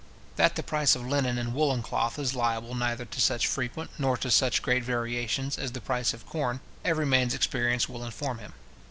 That the price of linen and woollen cloth is liable neither to such frequent, nor to such great variations, as the price of corn, every man's experience will inform him.